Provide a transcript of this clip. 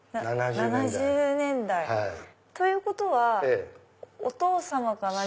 ７０年代。ということはお父様が。